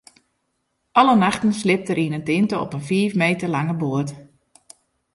Alle nachten sliept er yn in tinte op in fiif meter lange boat.